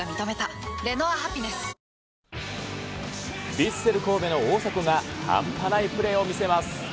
ヴィッセル神戸の大迫が、半端ないプレーを見せます。